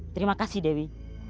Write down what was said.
terima kasih dewi